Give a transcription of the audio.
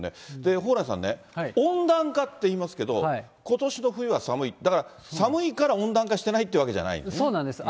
蓬莱さんね、温暖化っていいますけど、ことしの冬は寒い、寒いから温暖化していないというわけじゃないんですよね。